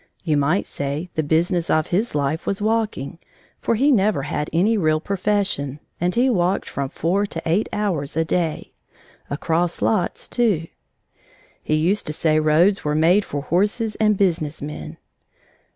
You might say the business of his life was walking, for he never had any real profession, and he walked from four to eight hours a day across lots, too. He used to say roads were made for horses and business men.